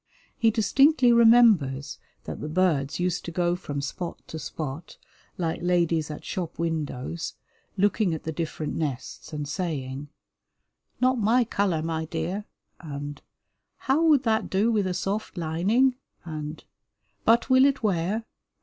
He distinctly remembers that the birds used to go from spot to spot like ladies at shop windows, looking at the different nests and saying, "Not my colour, my dear," and "How would that do with a soft lining?" and "But will it wear?"